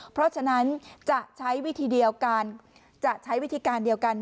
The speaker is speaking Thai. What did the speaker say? เพราะฉะนั้นจะใช้วิธีเดียวการจะใช้วิธีการเดียวกัน